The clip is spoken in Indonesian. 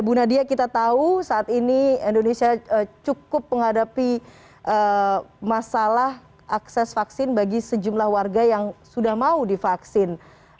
bu nadia kita tahu saat ini indonesia cukup menghadapi masalah akses vaksin bagi sejumlah warga yang sudah mau divaksin